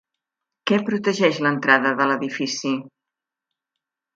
Què protegeix l'entrada de l'edifici?